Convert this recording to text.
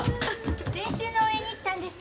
練習の応援に行ったんです。